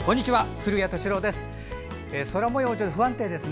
古谷敏郎です。